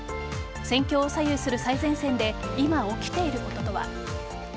戦況を左右する最前線で今、起きていることとは。